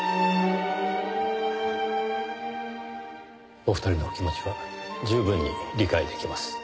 お二人のお気持ちは十分に理解出来ます。